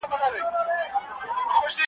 غنم د خلکو مهم خواړه دي.